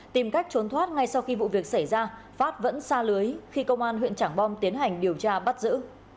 tìm cách trốn thoát ngay sau khi vụ việc xảy ra phát vẫn xa lưới khi công an huyện trảng bom tiến hành điều tra bắt giữ